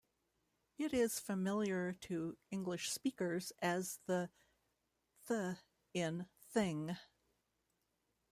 It is familiar to English speakers as the 'th' in "thing".